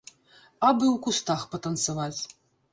Абы ў кустах патанцаваць.